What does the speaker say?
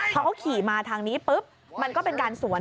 พอเขาขี่มาทางนี้ปุ๊บมันก็เป็นการสวน